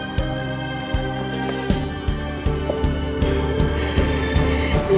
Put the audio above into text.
jangan lupa untuk mencoba